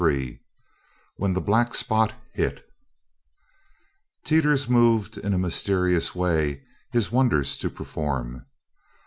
CHAPTER XXIII WHEN THE BLACK SPOT HIT Teeters moved in a mysterious way his wonders to perform.